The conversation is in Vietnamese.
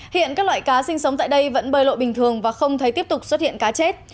hiện các loại cá sinh sống tại đây vẫn bơi lội bình thường và không thấy tiếp tục xuất hiện cá chết